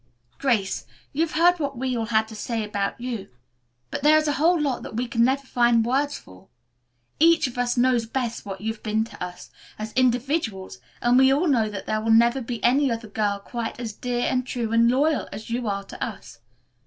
"Grace, you've heard what we all had to say about you, but there is a whole lot that we can never find words for. Each of us knows best what you've been to us, as individuals, and we all know that there will never be any other girl quite as dear, and true, and loyal as you are to us.